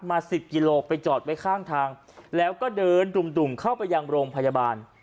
สิบกิโลไปจอดไว้ข้างทางแล้วก็เดินดุ่มเข้าไปยังโรงพยาบาล